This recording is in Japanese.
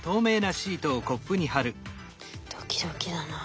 ドキドキだな。